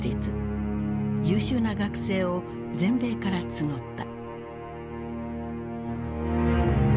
優秀な学生を全米から募った。